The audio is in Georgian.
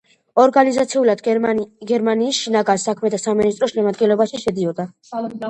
ორგანიზაციულად გერმანიის შინაგან საქმეთა სამინისტროს შემადგენლობაში შედიოდა.